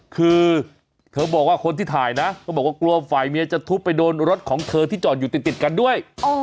คือเธอบอกว่าคนที่ถ่ายนะเขาบอกว่ากลัวฝ่ายเมียจะทุบไปโดนรถของเธอที่จอดอยู่ติดกันด้วย